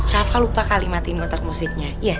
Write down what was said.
rafa lupa kali matiin kotak musiknya